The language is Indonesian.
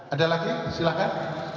ada lagi silahkan